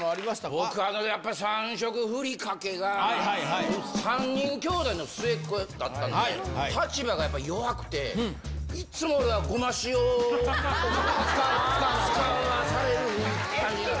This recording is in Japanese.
僕はやっぱり３色ふりかけが、３人きょうだいの末っ子だったんで、立場が弱くて、いつも、俺がごましお使わされる感じ。